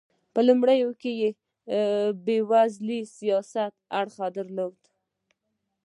په لومړیو کې یې یوازې سیاسي اړخ درلود.